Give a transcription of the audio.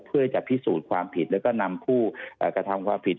เพื่อจะพิสูจน์ความผิดแล้วก็นำผู้กระทำความผิด